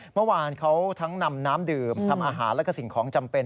เมื่อวานเขาทั้งนำน้ำดื่มทำอาหารแล้วก็สิ่งของจำเป็น